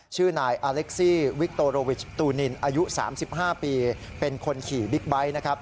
ชื่อนายอเล็กซี่วิกโตโรวิชตูนินอายุ๓๕ปีเป็นคนขี่บิ๊กไบท์นะครับ